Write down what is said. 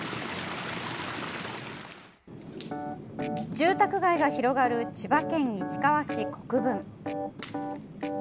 住宅街が広がる千葉県市川市国分。